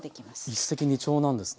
一石二鳥なんですね。